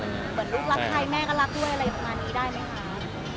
เหมือนลูกรักใครแม่ก็รักด้วยอะไรประมาณนี้ได้ไหมคะ